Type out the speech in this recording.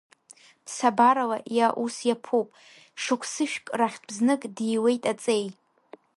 Ԥсабарала иа ус иаԥуп, шықәсышәк рахьтә знык диуеит Аҵеи.